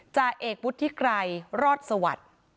จ่าเอกพุทธที่ไกลรอดสวัสดิ์